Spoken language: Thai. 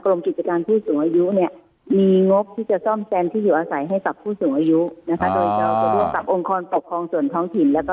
พ่อห้าจะชนต่างค่ะ